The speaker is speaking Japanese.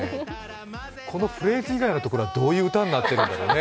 このフレーズ以外のところはどういう歌になっているんでしょうね。